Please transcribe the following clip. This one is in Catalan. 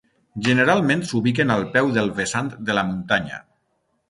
Generalment s'ubiquen al peu del vessant de la muntanya.